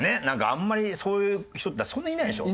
あんまりそういう人ってそんないないでしょ？